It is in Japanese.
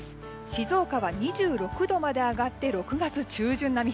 静岡は２６度まで上がって６月中旬並み。